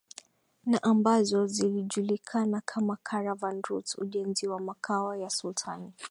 na ambazo zilijulikana kama Caravan Routes Ujenzi wa Makao ya Sultani